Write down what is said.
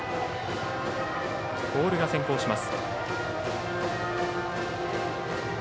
ボールが先行します。